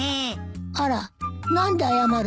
あら何で謝るの？